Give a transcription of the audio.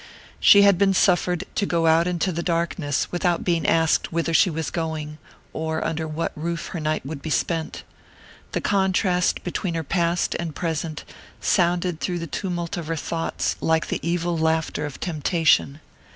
She had been suffered to go out into the darkness without being asked whither she was going, or under what roof her night would be spent. The contrast between her past and present sounded through the tumult of her thoughts like the evil laughter of temptation.